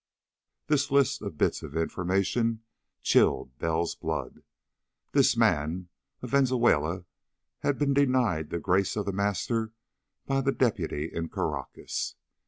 This list of bits of information chilled Bell's blood. This man, of Venezuela, had been denied the grace of The Master by the deputy in Caracas.